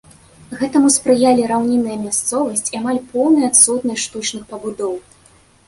Гэтаму спрыялі раўнінная мясцовасць і амаль поўная адсутнасць штучных пабудоў.